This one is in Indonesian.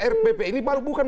rpp ini bukan